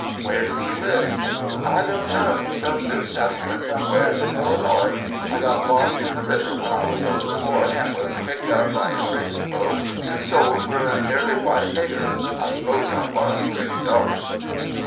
"Where did he live?" "I don't know some new settlement somewheres in Illinois. I got lost in the river when I was a little boy, an' was picked up by a tradin' boat an' sold for a nearly white nigger I s'pose I was pretty dark."